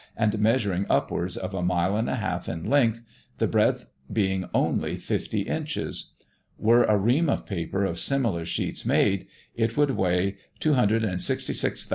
and measuring upwards of a mile and a half in length, the breadth being only 50 inches. Were a ream of paper of similar sheets made, it would weigh 266,500lbs.